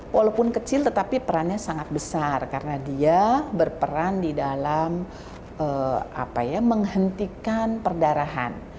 walaupun kecil tetapi perannya sangat besar karena dia berperan di dalam menghentikan perdarahan